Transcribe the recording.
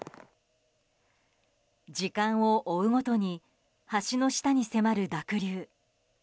時間を追うごとに橋の下に迫る濁流。